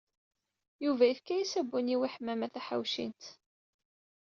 Yuba yefka-as abunyiw i Ḥemmama Taḥawcint.